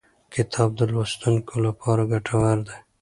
کتاب د لوستونکو لپاره ګټور دی.